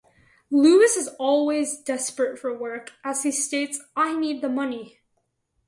Lewis is always desperate for work as he states "I need the money".